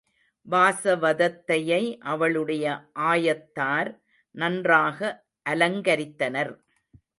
வாசவதத்தையை அவளுடைய ஆயத்தார் நன்றாக அலங்கரித்தனர்.